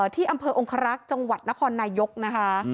ที่อำเภอองครักษ์จังหวัดนครนายกนะคะ